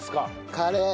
カレー。